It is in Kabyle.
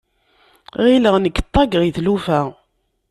Ɣileɣ nek ṭaggeɣ i tlufa.